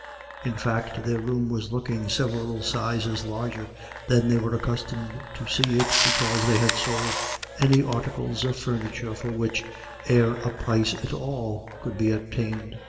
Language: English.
In fact, their room was looking several sizes larger than they were accustomed to see it, because they had sold any articles of furniture for which "e'er a price at all" could be obtained.